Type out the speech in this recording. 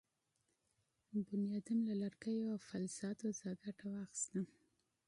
انسان له لرګیو او فلزاتو څخه ګټه واخیسته.